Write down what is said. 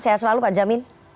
sehat selalu pak jamin